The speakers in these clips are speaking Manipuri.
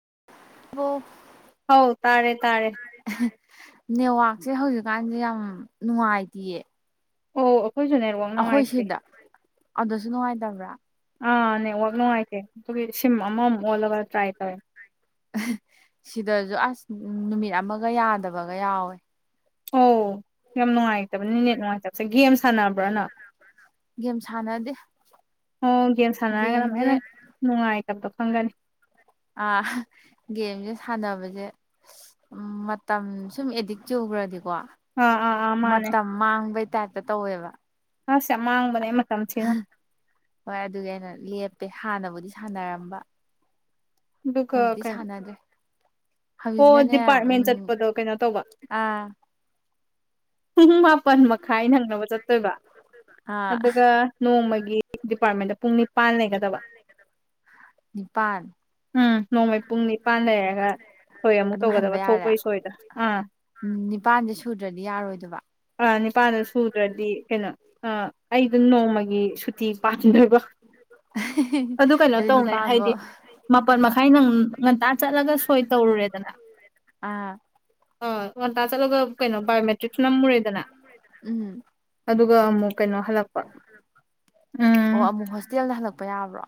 [unintelligible] ꯑꯧ ꯇꯥꯔꯦ ꯇꯥꯔꯦ ꯅꯦꯠꯋꯥꯛꯁꯦ ꯍꯧꯖꯤꯛꯀꯥꯟꯁꯦ ꯌꯥꯝ ꯅꯨꯡꯉꯥꯏꯇꯤꯌꯦ ꯑꯣ ꯑꯩꯈꯣꯏꯁꯨ ꯅꯦꯠ ꯋꯥꯔꯛ ꯅꯨꯡꯉꯥꯏꯇꯦ ꯑꯗꯨꯁꯨ ꯅꯨꯡꯉꯥꯏꯇꯕ꯭ꯔꯥ ꯑꯥ ꯅꯦꯠꯋꯥꯛ ꯅꯨꯡꯉꯥꯏꯇꯦ ꯑꯗꯨꯒꯤ ꯁꯤꯝ ꯑꯃꯃꯨꯛ ꯑꯣꯜꯂꯒ ꯇ꯭ꯔꯥꯏ ꯇꯧꯋꯦ ꯁꯤꯗꯁꯨ ꯑꯁ ꯅꯨꯃꯤꯠ ꯑꯃꯒ ꯌꯥꯗꯕꯒ ꯌꯥꯎꯋꯦ ꯑꯣ ꯌꯥꯝ ꯅꯨꯡꯉꯥꯏꯇꯕꯅꯤꯅꯦ ꯅꯦꯠ ꯅꯨꯡꯉꯥꯏꯇꯕꯁꯦ ꯒꯦꯝ ꯁꯥꯟꯅꯕ꯭ꯔ ꯅꯪ ꯒꯦꯝ ꯁꯥꯟꯅꯗꯦ ꯑꯣ ꯒꯦꯝ ꯁꯥꯟꯅꯔꯒ ꯑꯃꯨꯛꯀ ꯒꯦꯝꯁꯦ ꯍꯦꯟꯅ ꯅꯨꯡꯉꯥꯏ ꯇꯞꯇꯣ ꯈꯪꯒꯅꯤ ꯑꯥ ꯒꯦꯝꯁꯦ ꯁꯥꯟꯅꯕꯁꯦ ꯃꯇꯝ ꯁꯨꯝ ꯑꯦꯗꯤꯛ ꯆꯨ ꯈ꯭ꯔꯗꯤꯀꯣ ꯑꯥ ꯑꯥ ꯑꯥ ꯃꯥꯅꯦ ꯃꯇꯝ ꯃꯥꯡꯕꯩ ꯇꯥꯏꯞꯇ ꯇꯧꯋꯦꯕ ꯑꯁ ꯌꯥꯝ ꯑꯃꯥꯡꯕꯅꯦ ꯍꯣꯏ ꯑꯗꯨꯒꯤ ꯑꯩꯅ ꯂꯦꯞꯄꯦ ꯍꯥꯟꯅꯕꯨꯗꯤ ꯁꯥꯟꯅꯔꯝꯕ ꯑꯗꯨꯒ ꯍꯧꯖꯤꯛꯇꯤ ꯀꯩꯅꯣ ꯁꯥꯟꯅꯗ꯭ꯔꯦ ꯑꯣ ꯍꯧꯖꯤꯛꯁꯤꯅꯅꯦ ꯗꯤꯄꯥꯔꯠꯃꯦꯟ ꯎꯝ ꯆꯠꯄꯗꯣ ꯀꯩꯅꯣ ꯇꯧꯕ ꯑꯥ ꯄꯨꯡ ꯃꯥꯄꯜ ꯃꯈꯥꯏ ꯅꯪꯅꯕ ꯆꯠꯇꯣꯏꯕ ꯑꯥ ꯑꯗꯨꯒ ꯅꯣꯡꯃꯒꯤ ꯗꯤꯄꯥꯔꯠꯃꯦꯟꯗ ꯄꯨꯡ ꯅꯤꯄꯥꯟ ꯂꯩꯒꯗꯕ ꯅꯤꯄꯥꯜ ꯎꯝ ꯅꯣꯡꯃꯩ ꯄꯨꯡ ꯅꯤꯄꯥꯟ ꯂꯩꯔꯒ ꯁꯣꯏ ꯑꯃꯨꯛ ꯑꯗꯨꯝ ꯇꯧꯒꯗꯕ ꯍꯟꯕ ꯌꯥꯔꯦ ꯊꯣꯛꯄꯩ ꯁꯣꯏꯒ ꯅꯤꯄꯥꯟꯁꯦ ꯁꯨꯗ꯭ꯔꯗꯤ ꯌꯥꯔꯣꯏꯗꯕ ꯅꯨꯄꯥꯟꯗꯣ ꯁꯨꯗ꯭ꯔꯗꯤ ꯀꯩꯅꯣ ꯑꯩꯗꯣ ꯅꯣꯡꯃꯒꯤ ꯁꯨꯇꯤ ꯄꯥꯟꯗꯣꯢꯕ ꯑꯗꯨ ꯀꯩꯅꯣ ꯇꯧꯅꯦ ꯍꯥꯏꯗꯤ ꯃꯥꯄꯜ ꯃꯈꯥꯏ ꯅꯪ ꯉꯟꯇꯥ ꯆꯠꯂꯒ ꯁꯣꯏ ꯇꯧꯔꯨꯔꯦꯗꯅ ꯑꯥ ꯑ ꯉꯟꯇꯥ ꯆꯠꯂꯒ ꯀꯩꯅꯣ ꯕꯥꯌꯣ ꯅꯝꯃꯨꯔꯦꯗꯅ ꯎꯝ ꯑꯗꯨꯒ ꯑꯃꯨꯛ ꯀꯩꯅꯣ ꯍꯜꯂꯛꯄ ꯑꯣ ꯎꯝ ꯑꯃꯨꯛ ꯍꯣꯁꯇꯦꯜꯗ ꯍꯜꯂꯛꯄ ꯌꯥꯕ꯭ꯔꯣ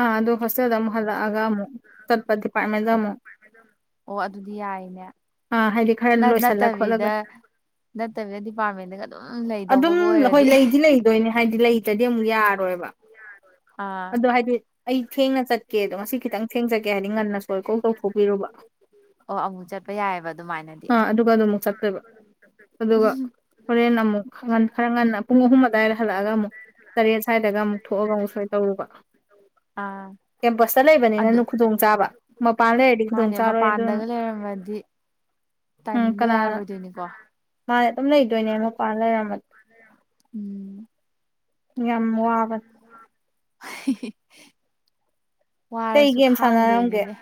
ꯑꯥ ꯑꯗꯣ ꯍꯣꯁꯇꯦꯜꯗ ꯑꯃꯨꯛ ꯍꯜꯂꯛꯑꯒ ꯑꯃꯨꯛ ꯆꯠꯄ ꯗꯤꯄꯥꯔꯠꯃꯦꯟꯗ ꯑꯃꯨꯛ ꯗꯨꯗꯤꯌꯥꯏꯅꯦ ꯑꯥ ꯍꯥꯏꯗꯤ ꯈꯔ ꯂꯣꯏꯁꯤꯜꯂ ꯈꯣꯠꯂꯒ ꯅꯠꯇꯕꯤꯗ ꯗꯤꯄꯥꯔꯠꯃꯦꯟꯗꯒ ꯑꯗꯨꯝ ꯑꯗꯨꯝ ꯂꯩꯗꯧꯕꯒ ꯍꯣꯏ ꯑꯣꯏꯔꯗꯤ ꯂꯩꯗꯤ ꯂꯩꯗꯣꯏꯅꯦ ꯍꯥꯏꯗꯤ ꯂꯩꯇ꯭ꯔꯗꯤ ꯑꯃꯨꯛ ꯌꯥꯔꯣꯏ ꯑꯥ ꯑꯗꯨ ꯍꯥꯏꯗꯤ ꯑꯩ ꯊꯦꯡꯅ ꯆꯠ ꯀꯦ ꯑꯗꯣ ꯉꯁꯤ ꯈꯤꯇꯪ ꯊꯦꯡꯅ ꯆꯠꯀꯦ ꯍꯥꯏꯗꯤ ꯉꯟꯅ ꯁꯣꯢ ꯀꯣꯛ ꯇꯧꯊꯣꯛꯄꯤꯔꯨꯕ ꯑꯣ ꯑꯃꯨꯛ ꯆꯠꯄ ꯌꯥꯏꯑꯕ ꯑꯗꯨꯃꯥꯏꯅꯗꯤ ꯑ ꯑꯗꯨꯒ ꯑꯗꯨꯃꯨꯛ ꯆꯠꯇꯣꯢꯕ ꯑꯗꯨꯒ ꯍꯣꯔꯦꯟ ꯑꯃꯨꯛ ꯈꯔ ꯉꯟꯅ ꯄꯨꯡ ꯑꯍꯨꯝ ꯑꯗꯨꯋꯥꯏꯗ ꯍꯜꯂꯛꯑꯒ ꯑꯃꯨꯛ ꯇꯔꯦꯠ ꯁ꯭ꯋꯥꯏꯗꯒ ꯑꯃꯨꯛ ꯊꯣꯛꯑꯒ ꯑꯃꯨꯛ ꯁꯣꯏ ꯇꯧꯔꯨꯕ ꯑꯥ ꯀꯦꯝꯄꯁꯇ ꯑꯗꯨ ꯂꯩꯕꯅꯤꯅꯅ ꯈꯨꯗꯣꯡ ꯆꯥꯕ ꯃꯄꯥꯟ ꯂꯩꯔꯗꯤ ꯈꯨꯗꯣꯡ ꯃꯥꯅꯦ ꯆꯥꯔꯣꯏ ꯑꯗꯨ ꯃꯄꯥꯟꯗꯒ ꯑꯃꯨꯛ ꯂꯩꯔꯝꯃꯗꯤ ꯎꯝ ꯇꯥꯏꯃꯤꯡꯗꯣ ꯀꯅꯥꯅ ꯌꯥꯔꯣꯏꯗꯣꯏꯅꯤꯀꯣ ꯃꯥ ꯎꯝ ꯌꯥꯝ ꯋꯥꯕꯅꯦ ꯍꯍ ꯀꯩ ꯋꯥꯔꯁꯨ ꯒꯦꯝ ꯁꯥꯟꯅꯔꯝꯒꯦ ꯈꯥꯡꯗꯣꯏꯅꯤꯅꯦ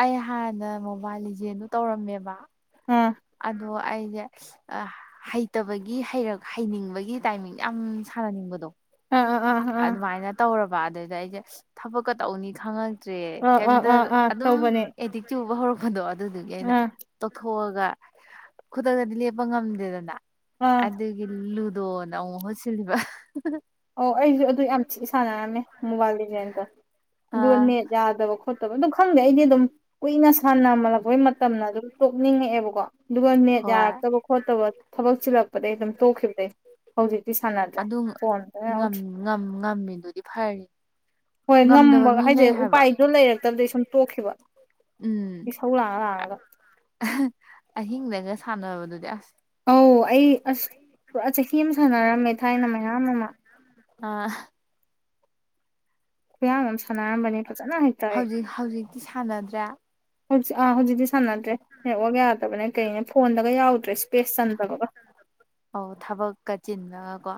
ꯑꯩ ꯍꯥꯟꯅ ꯃꯣꯕꯥꯢꯜ ꯂꯤꯖꯦꯟꯗꯣ ꯇꯧꯔꯝꯃꯦꯕ ꯑꯥ ꯑꯗꯣ ꯑꯩꯁꯦ ꯑ ꯍꯩꯇꯕꯒꯤ ꯍꯩꯔꯛ ꯍꯩꯅꯤꯡꯕꯒꯤ ꯇꯥꯏꯃꯤꯡ ꯌꯥꯝ ꯁꯥꯟꯅꯅꯤꯡꯕꯗꯣ ꯑꯥ ꯑꯥ ꯑꯥ ꯑꯗꯨꯃꯥꯏꯅ ꯇꯧꯔꯕ ꯑꯗꯨꯗ ꯑꯩꯖꯦ ꯊꯕꯛꯀ ꯇꯧꯅꯤ ꯈꯪꯉꯛ ꯇ꯭ꯔꯦ ꯑꯥ ꯑꯥ ꯑꯥ ꯀꯩꯝꯇ ꯑꯥ ꯑꯥ ꯑꯗꯨꯝ ꯇꯧꯕꯅꯦ ꯑꯦꯗꯤꯛ ꯆꯨꯕ ꯍꯧꯔꯛꯄꯗꯣ ꯑꯗꯨꯗꯨꯒꯤ ꯑꯩꯅ ꯑꯥ ꯇꯧꯊꯣꯛꯑ ꯒ ꯈꯨꯗꯛꯇꯗꯤ ꯂꯦꯞꯄ ꯉꯝꯗꯦꯗꯅ ꯑꯥ ꯑꯗꯨꯒꯤ ꯂꯨ ꯗꯣ ꯅ ꯑꯃꯨꯛ ꯃꯍꯨꯠ ꯁꯤꯜꯂꯤꯕ ꯑꯣ ꯑꯩꯁꯨ ꯑꯗꯨ ꯌꯥꯝ ꯊꯤ ꯁꯥꯟꯅꯔꯝꯃꯦ ꯃꯣꯕꯥꯏꯜ ꯗꯤꯖꯦꯟꯗꯣ ꯑꯗꯨꯒ ꯑꯥ ꯅꯦꯠ ꯌꯥꯗꯕ ꯈꯣꯠꯇꯕ ꯑꯗꯨ ꯈꯪꯗꯦ ꯑꯩꯗꯤ ꯑꯗꯨꯝ ꯀꯨꯏꯅ ꯁꯥꯟꯅꯃꯜꯂꯛꯄꯩ ꯃꯇꯝꯅ ꯑꯗꯨꯝ ꯇꯣꯛꯅꯤꯡꯉꯛꯑꯦꯕꯀꯣ ꯑꯗꯨꯒ ꯅꯦꯠ ꯍꯣꯏ ꯌꯥꯔꯛꯇꯕ ꯈꯣꯠꯇꯕ ꯊꯕꯛ ꯆꯤꯜꯂꯛꯄꯗꯒꯤ ꯑꯗꯨꯝ ꯇꯣꯛꯈꯤꯕꯗꯩ ꯍꯧꯖꯤꯛꯇꯤ ꯁꯥꯟꯅꯗ꯭ꯔꯦ ꯑꯗꯨ ꯐꯣꯟ ꯉꯝ ꯉꯝ ꯉꯝꯃꯤꯗꯨꯗꯤ ꯐꯔꯤ ꯍꯣꯏ ꯉꯝꯗꯕ ꯉꯝꯕ ꯃꯤ ꯍꯥꯏꯁꯦ ꯂꯩ ꯍꯥꯏꯕ ꯎꯄꯥꯏꯗꯣ ꯂꯩꯔꯛꯇꯗꯒꯤ ꯁꯨꯝ ꯇꯣꯛꯈꯤꯕ ꯎꯝ ꯏꯁꯧ ꯂꯥꯡꯉ ꯂꯥꯡꯉꯒ ꯑꯍꯤꯡꯗꯒ ꯁꯥꯟꯅꯕꯗꯨꯗꯤ ꯑꯁ ꯑꯧ ꯑꯩ ꯑꯁ ꯄꯨꯔꯥ ꯆꯍꯤ ꯑꯃ ꯁꯥꯟꯅꯔꯝꯃꯦ ꯊꯥꯏꯅ ꯃꯌꯥꯝ ꯑꯃ ꯑꯥ ꯈꯨꯌꯥꯝ ꯑꯃ ꯁꯥꯟꯅꯔꯝꯕꯅꯦ ꯐꯖꯅ ꯍꯦꯛꯇ ꯑꯩ ꯍꯧꯖꯤꯛ ꯍꯧꯖꯤꯛꯇꯤ ꯁꯥꯟꯅꯗ꯭ꯔꯦ ꯍꯧꯖꯤꯛ ꯑꯥ ꯍꯧꯖꯤꯛꯇꯤ ꯁꯥꯟꯅꯗ꯭ꯔꯦ ꯅꯦꯠꯋꯥꯛ ꯌꯥꯗꯕꯅꯦ ꯀꯩꯅꯦ ꯐꯣꯟꯗꯒ ꯌꯥꯎꯗ꯭ꯔꯦ ꯏꯁꯄꯦꯁ ꯆꯟꯗꯕꯒ [inaudible] ꯑꯧ ꯊꯕꯛꯀꯥ ꯆꯤꯟ ꯕꯀꯣ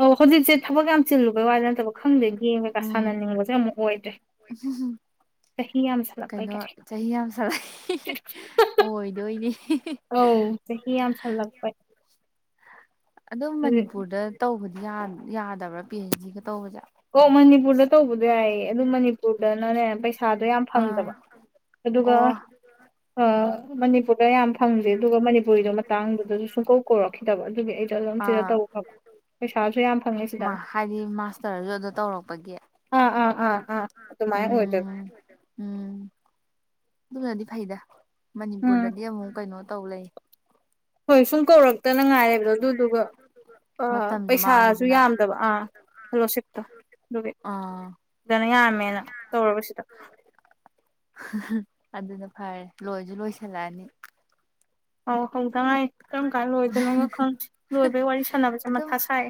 ꯑꯧ ꯍꯧꯖꯤꯛꯁꯦ ꯊꯕꯛ ꯌꯥꯝ ꯆꯤꯜꯂꯨꯕꯩ ꯋꯥꯗꯤ ꯅꯠꯇꯕ ꯈꯪꯗꯦ ꯒꯦꯝ ꯀꯩꯀꯥ ꯎꯝ ꯁꯥꯟꯅꯅꯤꯡꯕꯁꯦ ꯑꯃꯨꯛ ꯑꯣꯏꯗ꯭ꯔꯦ ꯆꯍꯤ ꯌꯥꯝꯁꯜꯂꯛꯄꯩ ꯀꯩꯅꯣ ꯀꯥꯏ ꯆꯍꯤ ꯌꯥꯝ ꯁꯥꯠꯂꯛꯑꯦ ꯑꯣꯏꯗꯣꯏꯅꯦ ꯑꯝ ꯆꯍꯤ ꯌꯥꯝꯁꯜꯂꯛꯄꯩ ꯑꯗꯨꯝ ꯍꯧꯖꯤꯛ ꯃꯅꯤꯄꯨꯔꯗ ꯇꯧꯕꯗꯤ ꯌꯥ ꯌꯥꯗꯕ꯭ꯔꯥ ꯄꯤ ꯍꯩꯆ ꯗꯤꯒ ꯇꯧꯕꯁꯦ ꯑꯣ ꯃꯅꯤꯄꯨꯔꯗ ꯇꯧꯕꯗꯣ ꯌꯥꯏꯌꯦ ꯑꯗꯨ ꯃꯅꯤꯄꯨꯔꯗꯅꯅꯦ ꯄꯩꯁꯥꯗꯣ ꯌꯥꯝ ꯑꯥ ꯐꯪꯗꯕ ꯑꯗꯨꯒ ꯑꯣ ꯑ ꯃꯅꯤꯄꯨꯔꯗ ꯌꯥꯝ ꯐꯪꯗꯦ ꯑꯗꯨꯒ ꯃꯅꯤꯄꯨꯔꯤꯗꯣ ꯃꯇꯥꯡꯗꯨꯗꯁꯨ ꯁꯨꯛꯀꯧ ꯀꯧꯔꯛꯈꯤꯗꯕ ꯑꯗꯨꯒꯤ ꯑꯩꯁꯨ ꯑꯗꯨꯝ ꯁꯤꯗ ꯑꯥ ꯇꯧ ꯍ ꯄꯩꯁꯥꯁꯨ ꯌꯥꯝ ꯐꯪꯉꯦ ꯃꯥ ꯁꯤꯗꯅ ꯍꯥꯏꯗꯤ ꯃꯥꯁꯇꯔꯁꯨ ꯑꯗꯨ ꯇꯧꯔꯛꯄꯒꯤ ꯑꯥ ꯑꯥ ꯑꯥ ꯑꯥ ꯑꯗꯨꯃꯥꯏ ꯑꯣꯏꯗꯣ ꯎꯝ ꯎꯝ ꯑꯗꯨꯅꯗꯤ ꯐꯩꯗ ꯎꯝ ꯃꯅꯤꯄꯨꯔꯗꯗꯤ ꯑꯃꯨꯛ ꯀꯩꯅꯣ ꯇꯧ ꯂꯩ ꯍꯣꯏ ꯁꯨꯝ ꯀꯧꯔꯛꯇꯅ ꯉꯥꯏꯂꯩꯕꯗꯣ ꯑꯗꯨꯗꯨꯒ ꯃꯇꯝꯁꯨ ꯄꯩꯁꯥꯁꯨ ꯃꯥꯡꯉꯤꯗꯅ ꯌꯥꯝꯗꯕ ꯑꯥ ꯍꯂꯣ ꯁꯤꯞꯇꯣ ꯑꯗꯨꯒꯤ ꯑꯥ ꯁꯤꯗꯅ ꯌꯥꯝꯃꯦ ꯍꯥꯏꯅ ꯇꯧꯔꯕ ꯁꯤꯗ ꯑꯗꯨꯅ ꯐꯔꯦ ꯂꯣꯏꯁꯨ ꯂꯣꯏꯁꯤꯜꯂꯛꯑꯅꯤ ꯑꯧ ꯍꯧꯗꯉꯥꯏ ꯀꯔꯝ ꯀꯥꯟ ꯂꯣꯏꯗꯣꯏꯅꯣꯒ ꯈꯪꯗꯦ ꯂꯣꯏꯕꯒꯤ ꯋꯥꯔꯤ ꯁꯥꯟꯅꯕꯁꯦ ꯑꯗꯨꯝ ꯃꯊꯥ ꯁꯥꯏ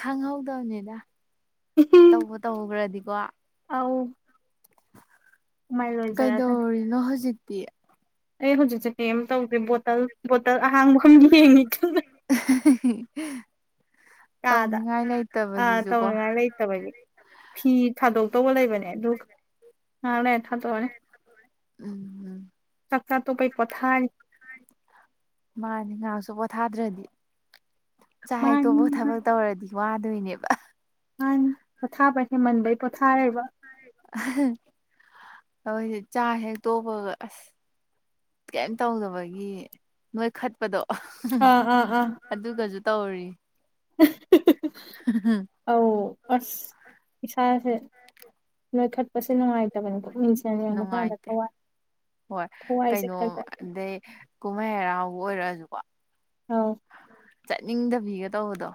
ꯈꯪꯍꯧꯗꯕꯅꯤꯗ ꯇꯧꯕꯨ ꯇꯧꯈ꯭ꯔꯗꯤꯀꯣ ꯑꯧ ꯃꯥꯏ ꯂꯣꯏꯖꯔꯛꯑꯁꯅꯤ ꯀꯩꯗꯧꯔꯤꯅꯣ ꯍꯧꯖꯤꯛꯇꯤ ꯑꯩ ꯍꯧꯖꯤꯛꯁꯦ ꯀꯩꯝ ꯇꯧꯗꯦ ꯕꯣꯇꯜ ꯕꯣꯇꯜ ꯑꯍꯥꯡꯕ ꯌꯦꯡꯉꯤ ꯀꯟꯅ [inaudible] ꯀꯥꯗ ꯇꯧꯅꯤꯡꯉꯥꯏ ꯑ ꯂꯩꯇꯕꯁꯤꯁꯨꯀꯣ ꯇꯧꯅꯤꯡꯉꯥꯏ ꯂꯩꯇꯕꯒꯤ ꯐꯤ ꯊꯥꯗꯣꯛꯇꯧꯕ ꯂꯩꯕꯅꯦ ꯑꯗꯨ ꯉꯥꯏꯍꯥꯛ ꯂꯩꯔ ꯊꯥꯗꯣꯛꯑꯅꯤ ꯆꯠ [unintelligible] ꯃꯥꯅꯦ ꯉꯥꯏꯍꯥꯛꯁꯨ ꯄꯣꯊꯥꯗ꯭ꯔꯗꯤ ꯆꯥꯛ ꯍꯦꯛ ꯃꯥꯅꯤ ꯇꯣꯛꯄꯒ ꯃꯥꯅꯤ ꯊꯕꯛ ꯇꯧꯔꯗꯤ ꯋꯥꯗꯣꯏꯅꯦꯕ ꯅꯪ ꯄꯣꯊꯥꯕ ꯍꯦꯃꯟꯕꯩ ꯄꯣꯊꯥꯔꯕ ꯑꯩꯈꯣꯏꯁꯦ ꯆꯥꯛ ꯍꯦꯛ ꯇꯣꯛꯄꯒ ꯑꯁ ꯀꯩꯝ ꯇꯧꯗꯕꯒꯤ ꯅꯣꯏꯈꯠꯄꯗꯣ ꯑꯥ ꯑꯥ ꯑꯥ ꯇꯧꯔꯤ ꯑꯧ ꯑꯁ ꯏꯁꯥꯁꯦ ꯅꯣꯏꯈꯠꯄꯁꯦ ꯅꯨꯡꯉꯥꯏꯇꯕꯅꯤ ꯃꯤꯡꯁꯦꯜ ꯌꯦꯡꯕꯀꯟꯗ ꯅꯨꯡꯉꯥꯏꯇꯦ ꯊꯋꯥꯏ ꯍꯣꯏ ꯊꯋꯥꯏꯁꯦ ꯀꯩꯅꯣ ꯈꯔ ꯈꯔ ꯑꯗꯩ ꯀꯨꯝꯍꯩ ꯍꯔꯥꯎꯕ ꯑꯣꯏꯔꯛꯑꯁꯨꯀꯣ ꯑꯧ ꯆꯠꯅꯤꯡꯗꯕꯤꯒ ꯇꯧꯕꯗꯣ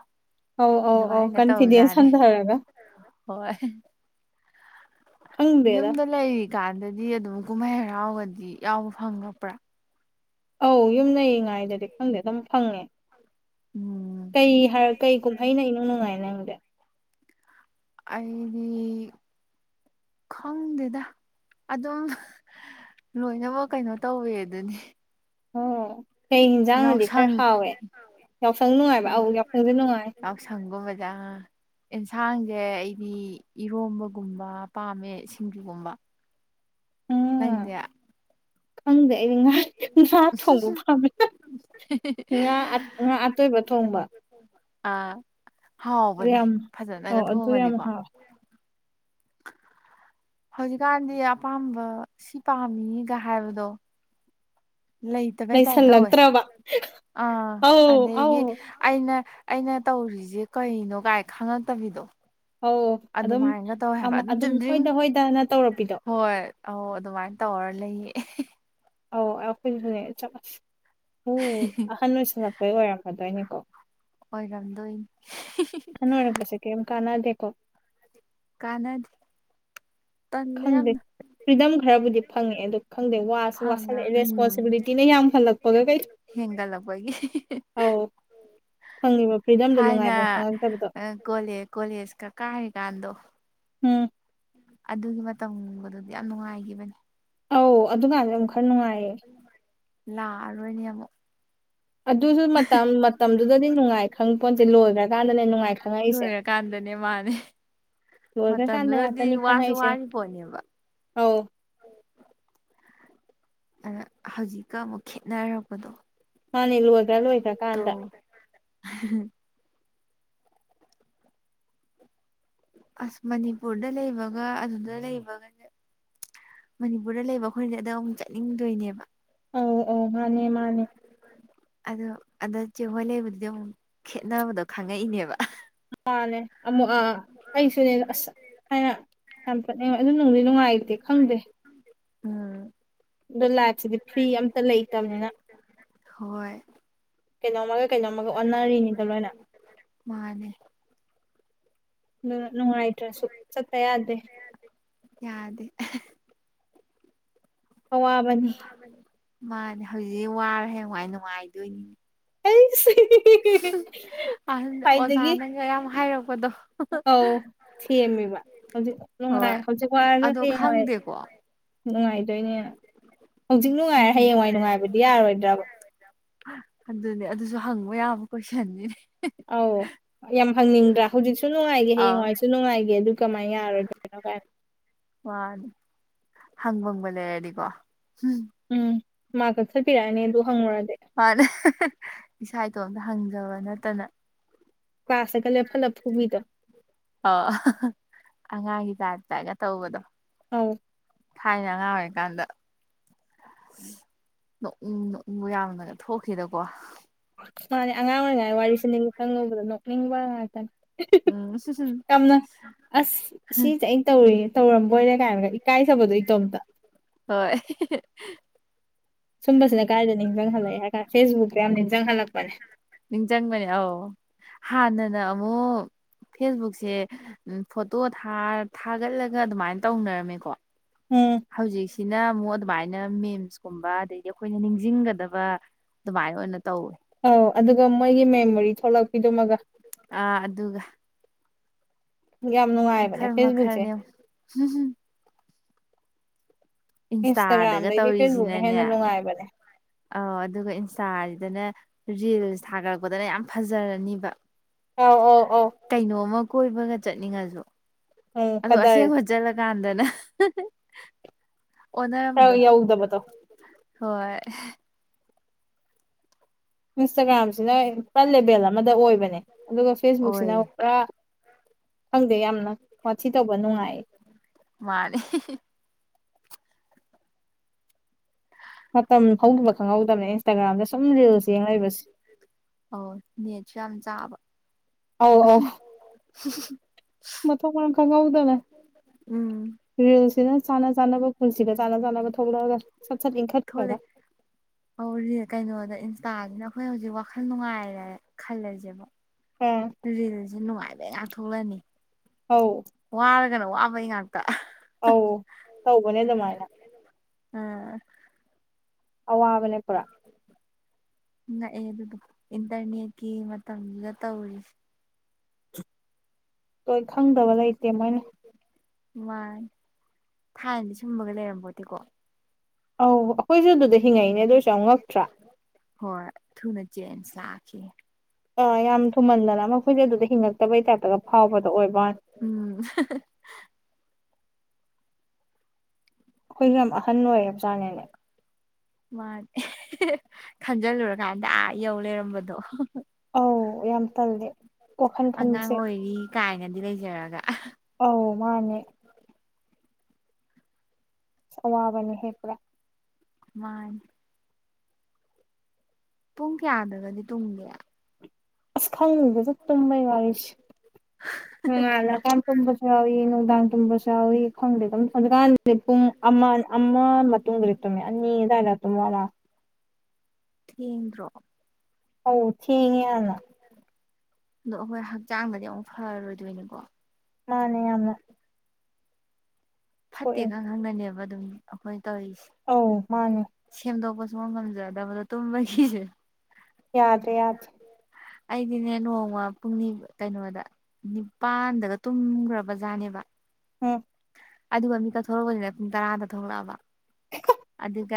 ꯑꯧ ꯑꯧ ꯑꯧ ꯑꯗꯨꯃꯥꯏꯅꯒ ꯀꯟꯐꯤꯗꯦꯟꯁ ꯇꯧꯖꯥꯠꯅꯤ ꯍꯟꯊꯔꯒ ꯍꯣꯏ ꯌꯨꯝꯗ ꯂꯩꯔꯤꯀꯥꯟꯗꯗꯤ ꯑꯗꯨꯝ ꯀꯨꯝꯍꯩ ꯍꯔꯥꯎꯒꯗꯤ ꯌꯥꯎꯕ ꯐꯪꯉꯕ꯭ꯔꯥ ꯑꯧ ꯌꯨꯝ ꯂꯩꯉꯥꯏꯗꯗꯤ ꯈꯪꯗꯦ ꯑꯗꯨꯝ ꯐꯪꯉꯦ ꯎꯝ ꯀꯩ ꯍꯥꯏ ꯀꯩ ꯀꯨꯝꯍꯩꯅ ꯏꯅꯨꯡ ꯅꯨꯡꯉꯥꯏ ꯅꯪꯗꯤ ꯑꯩꯗꯤ ꯈꯪꯗꯦꯗ ꯑꯗꯨꯝ ꯂꯣꯏꯅꯃꯛ ꯀꯩꯅꯣ ꯇꯧꯔꯦ ꯑꯗꯨꯅꯤ ꯑꯣ ꯀꯩ ꯌꯦꯟꯁꯥꯡꯅꯗꯤ ꯈꯔ ꯌꯥꯎꯁꯪ ꯍꯥꯎꯏ ꯌꯥꯎꯁꯪ ꯅꯨꯡꯉꯥꯏꯕꯔꯣ ꯑ ꯌꯥꯎꯁꯪꯁꯨ ꯅꯨꯡꯉꯥꯏ [unintelligible] ꯌꯦꯟꯁꯥꯡꯁꯦ ꯑꯩꯗꯤ ꯏꯔꯣꯝꯕꯒꯨꯝꯕ ꯄꯥꯝꯃꯦ ꯁꯤꯡꯖꯒꯨꯝꯕ [inaudible] ꯅꯪꯗꯤ ꯈꯪꯗ꯭ꯔꯦ ꯑꯩꯗꯤ ꯉꯥ ꯉꯥ ꯊꯣꯡꯕ ꯄꯥꯝꯃꯦ ꯉꯥ ꯉꯥ ꯑꯇꯣꯏꯕ ꯊꯣꯡꯕ ꯑ ꯑꯗꯨ ꯍꯥꯎꯕꯅꯤ ꯌꯥꯝ ꯑꯧ ꯐꯖꯅꯒ ꯑꯗꯨ ꯌꯥꯝ ꯊꯣꯡꯉꯗꯤꯀꯣ ꯍꯥꯎꯋꯦ [inaudible] ꯍꯧꯖꯤꯛꯀꯥꯟꯗꯤ ꯑꯄꯥꯝꯕ ꯁꯤ ꯄꯥꯝꯃꯤꯒ ꯍꯥꯏꯕꯗꯣ ꯂꯩꯇꯕꯩꯇꯥꯏꯞ ꯇꯧꯋꯦ ꯂꯩꯁꯜꯂꯛꯇ꯭ꯔꯕ ꯑꯥ ꯑꯧ ꯑꯧ ꯑꯗꯒꯤ ꯑꯩꯅ ꯑꯩꯅ ꯇꯧꯔꯤꯁꯦ ꯀꯩꯅꯣ ꯀꯥꯏ ꯈꯪꯉꯛꯇꯕꯤꯗꯣ ꯑꯧ ꯑꯗꯨꯝ ꯑꯗꯨꯃꯥꯏꯅꯒ ꯇꯧꯋꯦ ꯍꯥꯏꯕ ꯑꯃ ꯑꯗꯨꯝ ꯆꯨꯝꯗ꯭ꯔꯤꯡ ꯍꯣꯏꯗ ꯍꯣꯏꯗꯅ ꯇꯧꯔꯛꯄꯤꯗꯣ ꯍꯣꯏ ꯑꯧ ꯑꯗꯨꯃꯥꯏꯅ ꯇꯧꯔ ꯂꯩꯌꯦ ꯑꯧ ꯑꯩꯈꯣꯏꯁꯨꯅꯦ ꯑꯍꯟ ꯑꯣꯏꯁꯤꯜꯂꯛꯄꯩ ꯑꯣꯏꯔꯝꯃꯗꯣꯏꯅꯤꯀꯣ ꯑꯣꯏꯔꯝꯗꯣꯏꯅꯤ ꯑꯍꯟ ꯑꯣꯏꯔꯛꯄꯁꯤ ꯀꯩꯝ ꯀꯥꯟꯅꯗꯦꯀꯣ ꯀꯥꯟꯅꯗꯦ ꯇꯟꯂꯦ ꯈꯪꯗꯦ ꯌꯥꯝꯅ ꯐ꯭ꯔꯤꯗꯝ ꯈꯔꯕꯨꯗꯤ ꯐꯪꯉꯦ ꯑꯗꯨ ꯈꯪꯗꯦ ꯋꯥꯁꯨ ꯐꯪꯉ ꯋꯥꯁꯜꯂꯛꯑꯦ ꯎꯝ ꯔꯦꯁꯄꯣꯟꯁꯤꯕꯤꯂꯤꯇꯤꯅ ꯌꯥꯝꯈꯠꯂꯛꯄꯒ ꯀꯩ ꯍꯦꯟꯒꯠꯂꯛꯄꯒꯤ ꯑꯧ ꯐꯪꯉꯤꯕ ꯐ꯭ꯔꯤꯗꯝꯗꯣ ꯊꯥꯏꯅ ꯅꯨꯡꯉꯥꯏꯕꯝ ꯈꯪꯉꯛꯇꯕꯗꯣ ꯑꯥ ꯀꯣꯂꯦ ꯀꯣꯂꯦꯖ ꯀ ꯀꯥꯔꯤꯀꯥꯟꯗꯣ ꯎꯝ ꯑꯗꯨꯒꯤ ꯃꯇꯝꯒꯗꯨꯗꯤ ꯌꯥꯝ ꯅꯨꯡꯉꯥꯏꯈꯤꯕꯅꯦ ꯑꯧ ꯑꯗꯨꯀꯥꯟꯗ ꯑꯃꯨꯛ ꯈꯔ ꯅꯨꯡꯉꯥꯏꯌꯦ ꯂꯥꯛ ꯑꯔꯣꯏꯅꯦ ꯑꯃꯨꯛ ꯑꯗꯨꯁꯨ ꯃꯇꯝ ꯃꯇꯝꯗꯨꯗꯗꯤ ꯅꯨꯡꯉꯥꯏ ꯈꯪ ꯄꯣꯟꯇꯦ ꯂꯣꯏꯈ꯭ꯔꯀꯥꯟꯗꯅꯦ ꯅꯨꯡꯉꯥꯏ ꯈꯪꯉꯛꯏꯁꯦ ꯂꯣꯏꯔꯀꯥꯟꯗꯅꯦ ꯃꯥꯅꯦ ꯂꯣꯏꯒ꯭ꯔꯀꯥꯟꯗ ꯃꯇꯝꯗꯨꯗꯗꯤ ꯉꯥꯛꯇꯅꯤ ꯋꯥꯁꯨ ꯈꯪꯉꯛꯏꯁꯦ ꯋꯥꯔꯤ ꯄꯣꯠꯅꯦꯕ ꯑꯧ ꯑꯗ ꯍꯧꯖꯤꯛꯀ ꯑꯃꯨꯛ ꯈꯦꯠꯅꯔꯛꯄꯗꯣ ꯃꯥꯅꯤ ꯂꯣꯏꯒ꯭ꯔ ꯂꯣꯏꯒ꯭ꯔꯀꯥꯟꯗ ꯇꯧꯋꯦ ꯑꯁ ꯃꯅꯤꯄꯨꯔꯗ ꯂꯩꯕꯒ ꯑꯗꯨꯗ ꯂꯩꯕꯒꯁꯦ ꯃꯅꯤꯄꯨꯔꯗ ꯂꯩꯕ ꯑꯩꯈꯣꯏꯗꯤ ꯑꯗꯨꯗ ꯑꯃꯨꯛ ꯆꯠꯅꯤꯡꯗꯣꯏꯅꯦꯕ ꯑꯧ ꯑꯧ ꯃꯥꯅꯦ ꯃꯥꯅꯦ ꯑꯗꯨ ꯑꯗ ꯆꯦ ꯍꯣꯏ ꯂꯩꯕꯗꯨꯗꯤ ꯑꯃꯨꯛ ꯈꯦꯠꯅꯕꯗꯣ ꯈꯪꯉꯛꯏꯅꯦꯕ ꯨ ꯃꯥꯅꯦ ꯑꯃꯨꯛ ꯑꯥ ꯑꯩꯁꯨꯅꯦ ꯑꯁ ꯊꯥꯏꯅ ꯌꯥꯝ ꯆꯠꯅꯤꯡ ꯑꯗꯨ ꯅꯨꯡꯗꯤ ꯅꯨꯡꯉꯥꯏꯇꯦ ꯈꯪꯗꯦ ꯎꯝ ꯑꯣ ꯂꯥꯏꯐꯁꯤꯗꯤ ꯐ꯭ꯔꯤ ꯑꯝꯇ ꯂꯩꯇꯕꯅꯤꯅ ꯍꯣꯏ ꯀꯩꯅꯣꯝꯃꯒ ꯀꯩꯅꯣꯝꯃꯒ ꯑꯣꯟꯅꯔꯤꯅꯤꯗ ꯂꯣꯏꯅ ꯃꯥꯅꯦ ꯑꯗꯨꯅ ꯅꯨꯡꯉꯥꯏꯇ꯭ꯔꯁꯨ ꯆꯠꯇ ꯌꯥꯗꯦ ꯌꯥꯗꯦ ꯑꯋꯥꯕꯅꯤ ꯃꯥꯅꯦ ꯍꯧꯖꯤꯛ ꯋꯥꯔꯦ ꯍꯌꯦꯡꯋꯥꯏ ꯅꯨꯡꯉꯥꯏꯗꯣꯏꯅꯤꯅꯦ ꯑꯩꯁ ꯑꯍꯟ ꯈ꯭ꯋꯥꯏꯗꯒꯤ ꯑꯣꯖꯥꯅꯒ ꯌꯥꯝ ꯍꯥꯏꯔꯛꯄꯗꯣ ꯑꯧ ꯁꯦꯝꯃꯦꯕ ꯍꯧꯖꯤꯛ ꯅꯨꯡꯉꯥꯏ ꯍꯣꯏ ꯍꯧꯖꯤꯛ ꯋꯥꯔꯁꯨ ꯑꯗꯣ ꯍꯌꯦꯡꯋꯥꯏ ꯈꯪꯗꯦꯀꯣ ꯅꯨꯡꯉꯥꯏꯗꯣꯏꯅꯦ ꯍꯧꯖꯤꯛ ꯅꯨꯡꯉꯥꯏꯔꯦ ꯍꯌꯦꯡꯋꯥꯏ ꯅꯨꯡꯉꯥꯏꯕꯗꯤ ꯌꯥꯔꯣꯏꯗ꯭ꯔꯕ ꯑꯗꯨꯅꯦ ꯑꯗꯨꯁꯨ ꯍꯪꯕ ꯌꯥꯕ ꯀꯣꯏꯁꯟꯅꯤꯅꯦ ꯑꯧ ꯌꯥꯝ ꯍꯪꯅꯤꯡꯗ꯭ꯔꯥ ꯍꯧꯖꯤꯛꯁꯨ ꯅꯨꯡꯉꯥꯏꯒꯦ ꯑꯥꯎ ꯍꯌꯦꯡꯋꯥꯏꯁꯨ ꯅꯨꯡꯉꯥꯏꯒꯦ ꯑꯗꯨ ꯀꯃꯥꯏꯅ ꯌꯥꯔꯣꯏꯗꯣꯏꯅꯣ ꯀꯥꯏꯅꯣ ꯃꯥꯅꯤ ꯍꯪꯕꯝꯒ ꯂꯩꯔꯗꯤꯀꯣ ꯎꯝ ꯃꯥ ꯀꯛꯊꯠꯄꯤꯔꯛꯑꯅꯤ ꯑꯗꯨ ꯍꯪꯉꯨꯔꯗꯤ ꯑꯇꯣꯝꯇ ꯍꯪꯖꯕ ꯅꯠꯇꯅ ꯀ꯭ꯂꯥꯁꯇꯒ ꯂꯦꯞꯍꯜꯂ ꯐꯨꯕꯤꯗꯣ ꯑꯣ ꯑꯉꯥꯡꯒꯤ ꯇꯥꯢꯞꯇꯥꯒ ꯇꯧꯕꯗꯣ ꯑꯧ ꯊꯥꯏꯅ ꯑꯉꯥꯡ ꯑꯣꯏꯔꯤꯀꯥꯟꯗ ꯅꯣꯛꯅꯤꯡ ꯅꯣꯛꯅꯤꯡꯕ ꯌꯥꯝꯅꯒ ꯊꯣꯛꯈꯤꯗꯀꯣ ꯃꯥꯅꯤ ꯑꯉꯥꯡ ꯑꯣꯏꯔꯤꯉꯩ ꯋꯥꯔꯤꯁꯦ ꯅꯤꯡꯖꯪꯉꯨꯕꯗ ꯅꯣꯛꯅꯤꯡꯕ ꯉꯥꯛꯇꯅꯦ ꯎꯝ ꯍꯨ ꯍꯨ ꯌꯥꯝꯅ ꯑꯁ ꯁꯤꯁꯦ ꯑꯩꯅ ꯇꯧꯔꯤ ꯇꯧꯔꯝꯕꯣꯏꯔꯦ ꯀꯥꯏꯅꯒ ꯏꯀꯥꯏꯖꯕꯗꯣ ꯏꯇꯣꯝꯇ ꯍꯣꯏ ꯍꯦ ꯍꯦ ꯁꯨꯝꯕꯁꯤꯅ ꯀꯗꯥꯏꯗ ꯅꯤꯡꯁꯤꯡꯍꯜꯂꯛꯑꯦ ꯍꯥꯏ ꯀꯥꯟꯗ ꯐꯦꯁꯕꯨꯛꯇ ꯌꯥꯝ ꯅꯤꯡꯁꯤꯡꯍꯜꯂꯛꯄꯅꯦ ꯅꯤꯡꯁꯤꯡꯖꯪꯕꯅꯦ ꯑꯧ ꯍꯥꯟꯅꯅ ꯑꯃꯨꯛ ꯐꯦꯁꯕꯨꯛꯁꯦ ꯐꯣꯇꯣ ꯊꯥꯔ ꯊꯥꯒꯠꯂꯒ ꯑꯗꯨꯃꯥꯏꯅ ꯇꯧꯅꯔꯝꯃꯦꯀꯣ ꯎꯝ ꯍꯧꯖꯤꯁ ꯁꯤꯅ ꯑꯃꯨꯛ ꯑꯗꯨꯃꯥꯏꯅ ꯃꯦꯝꯁꯀꯨꯝꯕ ꯑꯗꯩꯗꯤ ꯑꯩꯈꯣꯏꯅ ꯅꯤꯡꯁꯤꯡꯒꯗꯕ ꯑꯗꯨꯃꯥꯏꯅ ꯑꯣꯏꯅ ꯇꯧ ꯑꯧ ꯑꯗꯨꯒ ꯃꯣꯏꯒꯤ ꯃꯦꯃꯣꯔꯤ ꯊꯣꯛꯂꯛꯄꯤꯗꯨꯃꯒ ꯑꯥ ꯑꯗꯨꯒ ꯌꯥꯝ ꯅꯨꯡꯉꯥꯏꯕꯅꯦ ꯃꯈꯜ ꯐꯦꯁꯕꯨꯛꯁꯦ ꯃꯈꯜꯅꯦ ꯏꯟꯁꯇꯥꯗꯒ ꯏꯟꯁꯇꯥꯒ꯭ꯔꯥꯝꯗꯩꯗꯤ ꯐꯦꯁꯕꯨꯛꯅ ꯇꯧꯔꯤꯁꯤꯅꯅꯦ ꯍꯦꯟꯅ ꯅꯨꯡꯉꯥꯏꯕꯅꯦ ꯑꯧ ꯑꯗꯨꯒ ꯏꯟꯁꯇꯥꯁꯤꯗꯅ ꯔꯤꯜꯁ ꯊꯥꯒꯠꯂꯛꯄꯗꯅ ꯌꯥꯝ ꯐꯖꯔꯅꯤꯕ ꯑꯧ ꯑꯧ ꯑꯧ ꯀꯩꯅꯣꯝꯃ ꯀꯣꯏꯕꯒ ꯆꯠꯅꯤꯡꯉꯁꯨ ꯎꯝ ꯑꯗꯨ ꯀꯗꯔ ꯑꯁꯦꯡꯕ ꯆꯠꯂ ꯀꯥꯟꯗꯅ ꯍꯣꯏ ꯌꯧꯗꯕꯗꯣ ꯍꯣꯏ ꯏꯟꯁꯇꯥꯒ꯭ꯔꯥꯝꯁꯤꯅ ꯄꯨꯔꯥ ꯂꯦꯚꯦꯜ ꯑꯃꯗ ꯑꯣꯏꯕꯅꯦ ꯑꯗꯨꯒ ꯐꯦꯁꯕꯨꯛꯁꯤꯅ ꯑꯣꯏ ꯄꯨꯔꯥ ꯈꯪꯗꯦ ꯌꯥꯝꯅ ꯋꯥꯊꯤ ꯇꯧ ꯃꯥꯅꯦ ꯃꯇꯝ ꯍꯧꯈꯤꯕ ꯈꯪꯍꯧꯗꯕꯅꯦ ꯏꯟꯁꯇꯥꯒ꯭ꯔꯥꯝꯗ ꯁꯨꯝ ꯔꯤꯜꯁ ꯌꯦꯡ ꯂꯩꯕꯁꯦ ꯑꯣ ꯅꯦꯠꯁꯨ ꯌꯥꯝ ꯆꯥꯕ ꯑꯧ ꯑꯧ ꯃꯊꯣꯡ ꯃꯔꯝ ꯈꯪꯉꯧꯗꯅꯦ ꯎꯝ ꯔꯤꯜꯁꯤꯅ ꯆꯥꯟꯅ ꯆꯥꯅꯕ ꯁꯤꯒ ꯆꯥꯅ ꯆꯥꯅꯕ ꯊꯣꯛꯂꯛꯑꯒ ꯁꯠ ꯁꯠ ꯏꯤꯡꯈꯠꯈ꯭ꯔꯒ ꯊꯣꯛꯂꯛꯑꯦ ꯇꯥꯁꯤꯅ ꯑꯩꯈꯣꯏ ꯍꯧꯖꯤꯛ ꯋꯥꯈꯜ ꯅꯨꯡꯉꯥꯏꯔꯦ ꯈꯜꯂꯁꯦꯕ ꯑꯥ ꯔꯤꯜꯁꯦ ꯅꯨꯡꯉꯥꯏꯕ ꯉꯥꯛ ꯊꯧꯛꯂꯛꯑꯅꯤ ꯑꯧ ꯅꯪꯅ ꯋꯥꯕꯩ ꯉꯥꯛ ꯑꯧ ꯇꯧꯕꯅꯦ ꯑꯗꯨꯃꯥꯏꯅ ꯑꯥ ꯑꯋꯥꯕꯅꯦ ꯄꯨꯔꯥ ꯉꯥꯛꯑꯦ ꯑꯗꯨꯕꯨ ꯏꯟꯇ ꯔꯅꯦꯠꯀꯤ ꯃꯇꯝꯁꯤꯗ ꯇꯧꯔꯤꯁꯦ ꯀꯩꯃ ꯈꯪꯗꯕ ꯂꯩꯇꯦ ꯃꯣꯏꯅ ꯅꯉꯥꯏ ꯊꯥꯏꯅꯗꯤ ꯁꯨꯝꯕꯒ ꯂꯩꯔꯝꯕꯣꯇꯦꯀꯣ ꯑꯧ ꯑꯩꯈꯣꯏꯁꯨ ꯑꯗꯨꯗ ꯍꯤꯡꯉꯛꯏꯅꯦ ꯑꯗꯨ ꯑꯣꯏꯔꯁꯨ ꯌꯥꯝ ꯉꯛꯇ꯭ꯔꯥ ꯍꯣꯏ ꯊꯨꯅ ꯆꯦꯟꯁ ꯂꯥꯛꯈꯤ [inaudible] ꯑꯥ ꯌꯥꯝ ꯊꯨꯃꯟꯗꯅ ꯑꯃ ꯑꯩꯈꯣꯏꯁꯦ ꯑꯗꯨꯗ ꯍꯤꯡꯉꯛꯇꯕꯩ ꯇꯥꯏꯞꯇꯒ ꯐꯥꯎꯕꯗꯣ ꯑꯣꯏꯕꯅꯦ [inaudible] ꯎꯝ ꯑꯩꯈꯣꯏꯁꯦ ꯌꯥꯝ ꯑꯍꯟ ꯑꯣꯏꯔꯕ ꯖꯥꯠꯅꯤꯅꯦ ꯃꯥꯅꯦ ꯈꯟꯖꯜꯂꯨꯔꯀꯥꯟꯗ ꯑꯥ ꯌꯧ ꯂꯩꯔꯝꯕꯗꯣ ꯑꯧ ꯌꯥꯝ ꯇꯜꯂꯦ ꯋꯥꯈꯜ ꯑꯉꯥꯡ ꯈꯟꯕꯁꯦ ꯑꯣꯏꯔꯤ ꯀꯥꯏꯅꯗꯤ ꯂꯩꯖꯔꯒ ꯑꯧ ꯃꯥꯅꯦ ꯑꯋꯥꯕꯅꯤꯍꯦ ꯄꯨꯔꯥ ꯃꯥꯅꯤ ꯄꯨꯡ ꯀꯌꯥꯗꯒꯗꯤ ꯇꯨꯝꯒꯦ ꯈꯪ ꯗꯦꯗ ꯇꯨꯝꯕꯩ ꯋꯥꯔꯤꯁꯦ ꯅꯣꯉꯥꯜꯂ ꯀꯥꯟ ꯇꯨꯝꯕꯁꯨ ꯌꯥꯎꯏ ꯅꯨꯡꯗꯥꯡ ꯇꯨꯝꯕꯁꯨ ꯌꯥꯎꯏ ꯈꯪꯗꯦ ꯑꯗꯨꯝ ꯍꯧꯖꯤꯛꯀꯥꯟꯗꯗꯤ ꯄꯨꯡ ꯑꯃ ꯑꯃ ꯇꯨꯝꯕꯨꯗꯤ ꯇꯨꯝꯃꯦ ꯑꯅꯤ ꯑꯗꯥꯏ ꯇꯨꯝꯃꯕ ꯊꯦꯡꯗꯔꯣ ꯑꯧ ꯊꯦꯡꯉꯦ ꯌꯥꯝꯅ ꯑꯗꯣ ꯑꯩꯈꯣꯏ ꯍꯛꯆꯥꯡꯗꯗꯤ ꯑꯃꯨꯛ ꯐꯔꯔꯣꯏꯗꯣꯏꯅꯤꯀꯣ ꯃꯥꯅꯦ ꯌꯥꯃꯅ ꯐꯠꯇꯦꯒ ꯈꯪꯅꯅꯦꯕ ꯑꯗꯨꯝ ꯑꯩꯈꯣꯏꯅ ꯇꯧꯔꯤꯁꯦ ꯑꯧ ꯃꯥꯅꯦ ꯁꯦꯝꯗꯣꯛꯄ ꯁꯨꯡꯉꯝ ꯉꯝꯖꯗꯕꯗꯣ ꯇꯨꯝꯕꯩꯁꯦ ꯌꯥꯗ꯭ꯔꯦ ꯌꯥꯗ꯭ꯔꯦ ꯑꯩꯗꯤꯅꯦ ꯅꯣꯡꯃ ꯄꯨꯡꯅꯦ ꯀꯩꯅꯣꯗ ꯅꯤꯄꯥꯟꯗꯒ ꯇꯨꯝꯈ꯭ꯔꯕ ꯖꯥꯠꯅꯦꯕ ꯎꯝ ꯑꯗꯨꯒ ꯃꯤꯀꯄ ꯊꯣꯛꯂꯛꯄꯁꯤꯗ ꯄꯨꯡ ꯇꯔꯥꯗ ꯊꯣꯛꯂꯛꯑꯕ ꯑꯗꯨꯒ